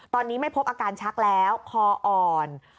ตอนนี้ไม่พบอาการชักแล้วคออ่อน